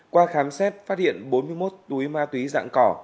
qua khám xét phát hiện bốn mươi một túi ma túy dạng cỏ